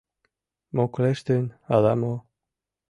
Муклештын ала-мо...